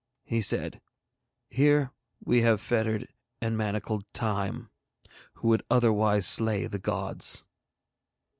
He said, 'Here we have fettered and manacled Time, who would otherwise slay the gods.'